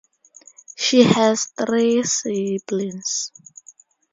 She has three siblings.